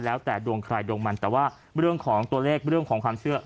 แล้วแต่ดวงใครดวงมันแต่ว่าเรื่องของตัวเลขเรื่องของความเชื่อ